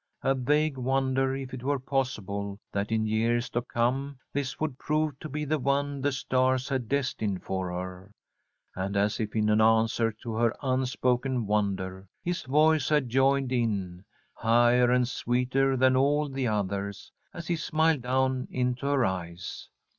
A vague wonder if it were possible that in years to come this would prove to be the one the stars had destined for her. And, as if in answer to her unspoken wonder, his voice had joined in, higher and sweeter than all the others, as he smiled down into her eyes.